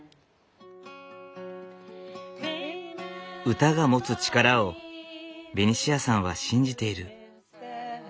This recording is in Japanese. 歌が持つ力をベニシアさんは信じている。